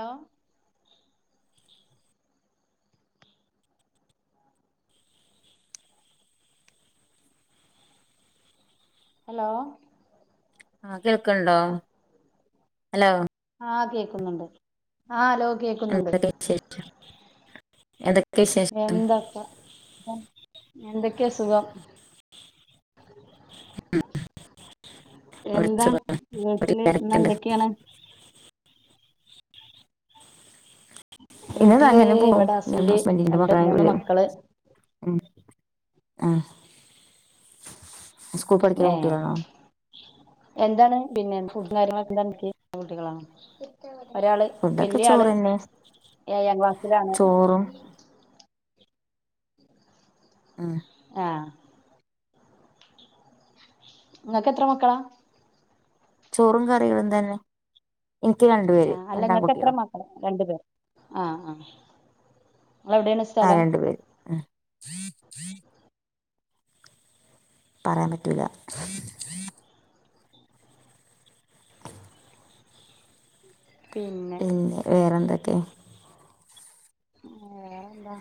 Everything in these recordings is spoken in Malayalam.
ലോ ഹലോ ആഹ് കേൾക്ക്ണ്ടോ ഹലോ ആഹ് കേക്കുന്നുണ്ട് ആഹ് അലോ [unintelligible] എന്തൊക്കെ ശേ മീന്ണ്ടാക്കാ എന്തെക്കെ സുഖം ഉം പിന്നെ എന്താ വീട്ട്ല് ഇന്നെന്തെക്ക്യാണ് പിനെന്താ വീട്ടില് അങ്ങെനെ പോവും ഇവിടെ ഞാൻന്ന് ഹസ്ബന്റ് ഹസ്ബന്റിന്റെ രണ്ട് മകളായി മൂന്ന് മക്കള് [unintelligible] ഉം അഹ് ഏഹ് എന്താണ് പിന്നെ ഫുഡും കാര്യങ്ങളൊക്കെന്താ [unintelligible] കുട്ടികളാ ഒരാള് ഫുഡൊക്കെ വെല്ല്യാള് ചോറന്നെ ഏയാം ക്ലാസ്സിലാണ് ചോറും ആഹ് ആഹ് ഇങ്ങെക്കെത്ര മക്കെളാ ചോറും കറികളും തന്നെ ഇൻക്ക് രണ്ട് പേര് രണ്ടാങ്കുട്ട്യാള് രണ്ട് പേർ ആഹ് ആഹ് ങ്ങെളെവ്ടേണ് സ് ആഹ് രണ്ട് പേര് ഉം പറ്യാൻ പറ്റൂലാ പിന്നെ വേറെന്തൊക്കെ വേറെന്താ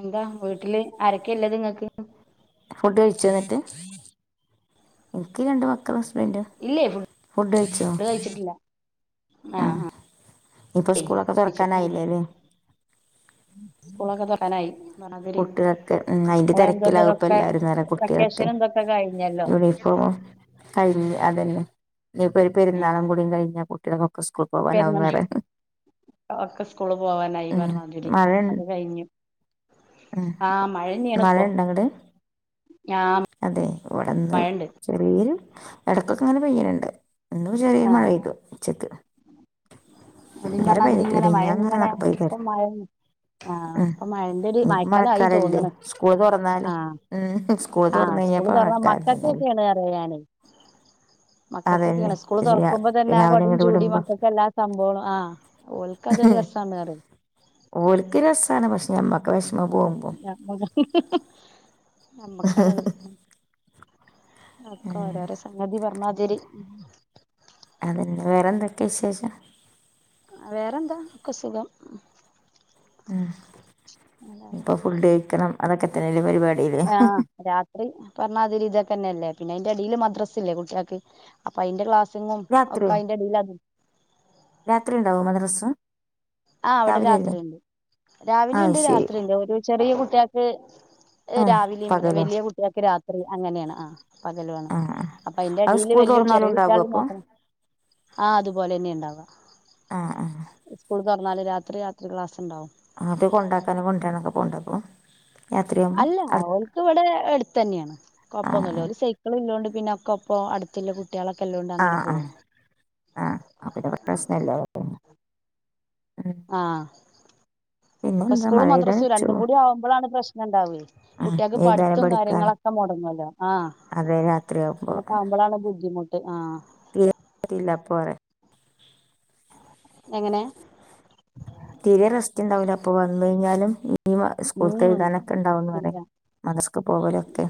എന്താ വീട്ട്ല് ആരെക്കെല്ലെത് ഇങ്ങെക്ക് ഫുഡ്ഡ് കഴിച്ചോന്നട്ട് ഇൻക്കീ രണ്ട് മക്കളും ഹസ്ബെന്റും ഇല്ലേ ഫു ഡ് കയ്ച്ചിട്ടില്ല ആഹ് ഞ്ഞ്പ്പൊ സ്കൂളൊക്കെ തെറക്കാനായില്ലേലെ സ്കൂളാെക്കെ തൊർക്കാനായ് പർഞ്ഞാതിരി കുട്ടികളൊക്കെ ഉം അയിന്റെ ങ്ങെളെ തിരക്കിലാകും ഇപ്പൊ എന്തോതിലൊക്കെ എല്ലാരും വെക്കേഷനും തൊക്കെ കയ്ഞ്ഞല്ലോ ഓഹ് കഴിഞ്ഞ് അതെന്നെ ഇനിയിപ്പൊര് പെര്ന്നാളും ആഹ് കൂടിം കയ്ഞ്ഞാ കുട്ട്യേക്കൊക്കെ പെരുന്നാ സ്കൂക്കോവാനാവുംന്ന് പറ്യാ ഒക്കെ സ്കൂള് പോവാനായ് ഉം പർഞ്ഞാതിരി മഴ അത് കയ്ഞ്ഞു ഉം മഴണ്ടെങ്ങെട് ഞാം അതെ ഇവിടന്ന് ചെറിയൊരു ഇടക്കൊക്കെങ്ങനെ പെയ്യ്ണ്ണ്ട് ഇന്നും ചെറ്യേ മഴയ്തു ഉച്ചക്ക് അ ഇവിടെ ഇജ് ഇന്നലെ പെയ്തിട്ടില്ല പറഞ്ഞമാതിരിങ്ങനെ മഴ മിനിഞ്ഞാന്ന് പറഞ്ഞാ ഇങ്ങനെ ഇപ്പ പെയ്തായിരുന്നു മഴൻ ഉം ഇപ്പ മഴന്റെരു ഇനിയിപ്പോ മയക്കാലായി മഴക്കാലല്ലേ തോന്ന്ണ് സ്കൂൾ തുറന്നാല് ആഹ് ഉം സ്കൂള് ആഹ് തുറന്ന് സ്കൂള് കഴിഞ്ഞപ്പോ തെറന്നാ മഴക്കാലം തന്നെയല്ലേ മക്കൾക്കൊക്കെയാണ് പറയാ ഞാന് അതന്നെ മക്കക്കെക്കെ സ്കൂള് തെറക്കുമ്പോ തന്നെ ആ രാവിലെ കൊടി ഇങ്ങട് ചൂടി വിടുമ്പോ മക്കൾക്ക് എല്ലാ സംഭോളം ആ ഓൽക്ക് അതൊരു രസാണറിയു ഓൽക്ക് രസാണ് പക്ഷെ ഞമ്മക്ക് വെഷമം പോവു ഞമ്മക്കാണത് ഒക്കെ ഓരോരോ സംഗതി പറഞ്ഞതിരി അതന്നെ വേറെന്തൊക്കെ വിശേഷം വേറെന്താ ക്കെ സുഖം ഉം ഇപ്പ ഫുഡഴിക്കണം അതൊക്കെ തന്നെല്ലെ പരിപാ ആഹ് രാത്രി പറഞ്ഞാതിരി ഇതൊക്കെന്നെല്ലേ പിന്നെ അയിന്റെ എടീല് മദ്രസ്ല്ലേ കുട്ട്യോക്ക് അപ്പയ്ന്റെ ക്ലാസ്സിങ്ങും ഒക്കെ അയ്ന്റെ എടീല് അതും രാത്രിണ്ടാവോ മദ്രസ് ആ അവിടെ രാത്രിണ്ട് ആ രാവിലിണ്ട് ശരി രാത്രിണ്ട് ഒരു ചെറിയ കുട്ട്യക്ക് ആ രാവിലിം പകലോ വല്ല്യ കുട്ട്യോക്ക് രാത്രി അങ്ങനെണ് ആ പകലാണ് ആ ആ അപ്പ അയ്ന്റെ അത് എടില് സ്കൂൾ വല്ല്യ തുറന്നാലും ചെറ്യേ ഉണ്ടാകും കുട്ട്യോളും അപ്പോൾ നോക്കണം ആഹ് അതുപോലന്നെ ഇണ്ടാവ ആഹ്‌ ആഹ്‌. ത് തെറന്നാല് രാത്രി രാത്രി ക്ലാസ് ഇണ്ടാവും അത് കൊണ്ടാക്കാനും കൊണ്ടരാനൊക്കെ പോണ്ടെപ്പോ അല്ല അവൾക്ക് ഇവടെ എടുത്തന്നെണ് ആ കൊഴപ്പൊന്നുല്ല ആ ഓല് സൈക്കള്ല്ലോണ്ട് പിന്നെ ഒക്കെ ഇപ്പോ അട്ത്തുള്ള കുട്ട്യോളൊക്കെല്ലോണ്ട് അങ്ങനെ പോകും ആഹ് അപ്പ പിന്നവ്ടതെ സ്മല്ല് ആഹ് അപ്പോ പിന്നെന്താ മഴ സ്കൂളും പെയ്താൽ മദ്രസയും ചൂ രണ്ടും കൂടി ആവുമ്പോഴാണ് പ്രശ്നം ഉണ്ടാവെ ആ കുട്ടികൾക്ക് എഴുതാനും പഠിത്തു കാര്യങ്ങളൊ പഠിക്കാനും ക്കേ മുടങ്ങല്ലോ ആഹ് അതെ രാത്രിയാകുമ്പോൾ അങ്ങൊക്കവുമ്പോഴാണ് ബുദ്ധിമുട്ട് ആഹ് [unintelligible] പോറ എങ്ങനെ തീരെ റസ്റ്റ് ഉണ്ടാവില്ല അപ്പൊ വന്ന് കഴിഞ്ഞാലും ലിവ ഉം സ്കൂളത്തെഴുതാനൊക്കെ ഉണ്ടാവന്ന് ഇല്ല മദ്രസക്ക് പോകലൊക്കെ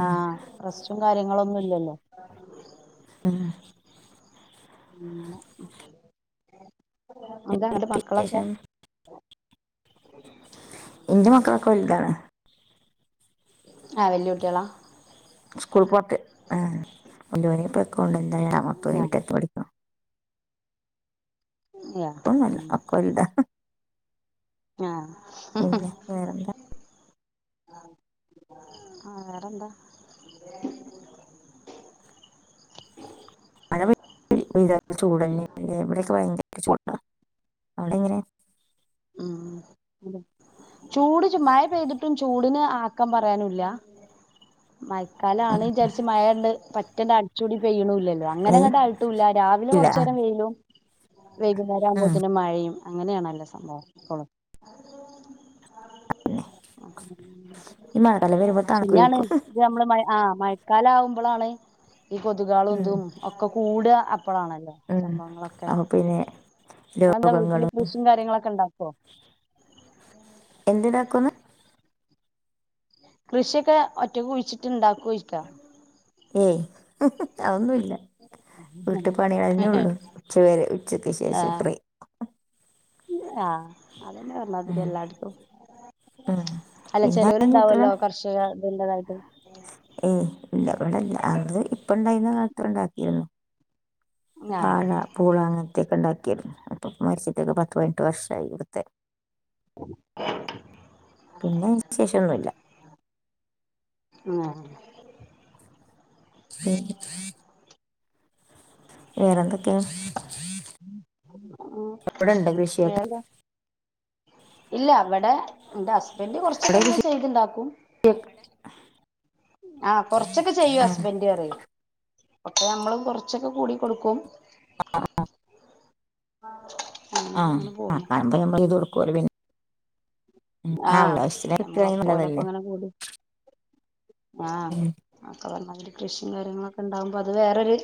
ആഹ് റസ്റ്റും കാര്യങ്ങളൊന്നുല്ലല്ലോ ഉം അന്ത അങ്ങടെ മക്കളൊക്കെ ശേഷം എന്റെ മക്കളൊക്കെ വലുതാണ് ആഹ് വെല്ല്യ കുട്ടിയെളാ സ്കൂൾ പോണ്ട് കൊണ്ടപോ ഇപ്പോ എക്ക കൊണ്ട് എന്ത മൊത്ത ആ വീട്ടക്ക ആ ഇപൊന്നല്ല ഉം അക്കലതാ ഞാ ഹ്‌ ഹ്‌ വേറെന്താ ആ വേറെന്താ അവിടെത ചൂടന്നെല്ല ഇവിടെയൊക്കെ ഭയങ്കര ചൂട അവിടെ എങ്ങനെയ ഉം ചൂട് മഴ പെയ്തിട്ടും ചൂടിന് ആക്കം പറയാനുല്ല മയക്കാലം ആണ് ഉം. വിചാരിച്ച മഴുണ്ട് പറ്റൂല്ലേ അടിച്ചൂടി പെയ്യണില്ലല്ലോ അങ്ങനെ ഏയ് അങ്ങോട്ട ആയിട്ടുംല്ല രാവിലെ ഇല്ല കൊറച്ച ആ. നേരം വെയിലും വൈകുന്നേരം ഉം. ആവകുമ്പോത്തേനു മഴയും അങ്ങനെയാണല്ലോ സംഭവം ഇപ്പളും പിന്നെ ഈ മഴക്കാലം വരുമ്പോ തണുക്കും. നമ്മൾ ആ മഴക്കാല ആകുമ്പോഴാണ് ഈ കൊതുകുകളും ഉം. എന്തും ഒക്കെ കൂടാ. ഇപ്പോഴാണല്ലോ ഉം. സംഭവങ്ങളൊക്കെ അപ്പൊ പിന്നെ നിങ്ങെളെന്താ വീട്ടില് കൃഷിയും കാര്യങ്ങളൊക്കെ ഇണ്ടാക്കോ? എന്തിനാക്കൂന്നു കൃഷിയൊക്കെ ഒറ്റക്ക് കുഴിച്ചിട്ട് ഇണ്ടാക്കുവോ ഇരിക്കാം ഏയ് അതൊന്നുമില്ല വീട്ടു പണികഴിഞ്ഞേ ഉള്ളു ഉച്ച വരെ ഉച്ചക്ക് ശേഷം ആ ഫ്രീ ആഹ് അതന്നെ പറഞ്ഞാതി ഉം എല്ലായിടത്തും ഉം അല്ല പിന്നെ ചെലവരു അതിനത്ര ഇണ്ടാവല്ലോ കർഷ ഇത്ണ്ടതായിട്ട് ഏയ് ഇല്ല അവിടെ ഇല്ല അത് ഇപ്പണ്ടായിരുന്ന കാലത്ത് ഉണ്ടാക്കിയിരുന്നു. ആഹ് പാഴ പൂള അങ്ങനത്തെയൊക്കെ ഉണ്ടാക്കിരുന്നു. ഇപ്പൊ ഉപ്പ മരിച്ചിട്ടൊക്കെ പത്ത് പതിനെട്ട് വർഷായി ഇവിടുത്തെ ഉം പിന്നെ വിശേഷംഒന്നുല്ല ഉം ആഹ് വേറെന്തൊക്കെയാ ഉണ്ട് കൃഷിയൊക്കെ വേറെ ഇല്ല അവിടെ എന്റെ ഹസ്ബന്റ് കൊർച്ചൊക്കെ ഇങ്ങനെ ചെയ്തുണ്ടാക്കും ഏഹ്.. ആഹ് കൊറച്ചൊക്കെ ചെയ്യും ഹസ്ബന്റ് പറയേ പക്ഷെ നമ്മളും കുറച്ചൊക്കെ കൂടി കൊടുക്കും. അങ്ങനെയൊക്കെ ആഹ് അങ്ങനെ ആഹ് പോന്നു കാലത്ത് [unintelligible] [unintelligible] അങ്ങ്കൊണ്ട്. ആഹ് അക്കെ പറഞ്ഞാല് കൃഷിയും കാര്യങ്ങളൊക്കെ ഉണ്ടാവുമ്പോ അത് വേറൊരു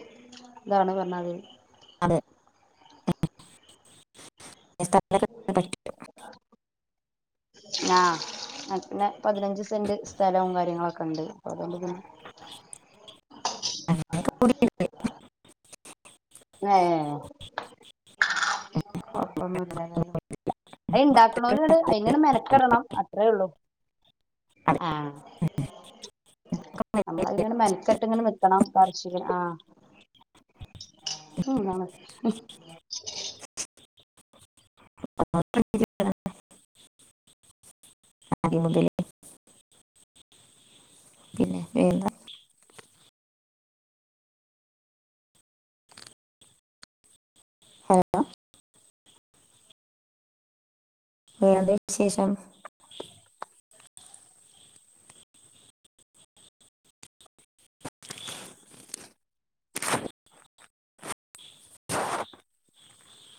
ഇതാണ് പറഞ്ഞാല് അതെ [unintelligible] അ ആഹ് പിന്നെ പതിനഞ്ച് സെന്റ് സ്ഥലവും കാര്യങ്ങളൊക്കെ ഇണ്ട് അപ്പ അതുകൊണ്ട് പിന്നെ [unintelligible] ങേ കുഴപ്പൊന്നില്ല ലെ അത് ഇണ്ടാക്കണലോല്ട്അയിന് മെനക്കിടണം അത്രേ ഉള്ളു ആഹ് പറ്റും നമ്മളങ്ങനെ മെനക്കെട്ട് ഇങ്ങനെ നി കണം കാർഷികൻ ആഹ് ഇതെന്താണ് [unintelligible] അദ്യം മുതലേ പിന്നെ [unintelligible] ഹലോ [unintelligible] വിശേഷം